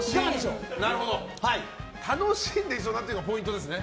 楽しんでいそうというのがポイントですね。